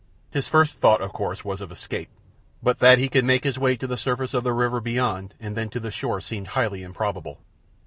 His first thought, of course, was of escape, but that he could make his way to the surface of the river beyond and then to the shore seemed highly improbable.